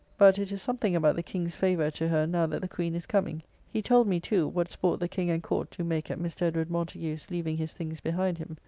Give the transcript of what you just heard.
But it is something about the King's favour to her now that the Queen is coming. He told me, too, what sport the King and Court do make at Mr. Edward Montagu's leaving his things behind him.